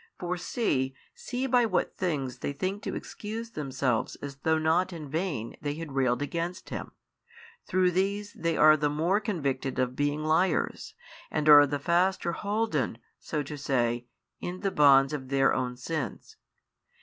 For see, see by what things they think to excuse themselves as though not in vain they had railed against Him, through these they are the more convicted of being liars and are the faster holden (so to say) in the bonds of their own sins.